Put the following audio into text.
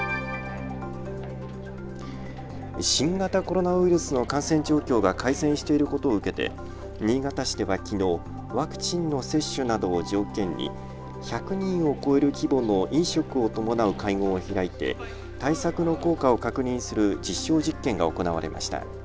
新型コロナウイルスの感染状況が改善していることを受けて新潟市ではきのうワクチンの接種などを条件に１００人を超える規模の飲食を伴う会合を開いて対策の効果を確認する実証実験が行われました。